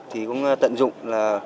thì cũng tận dụng là